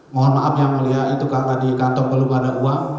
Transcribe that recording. mohon maaf ya mulia itu kan tadi kantong belum ada uang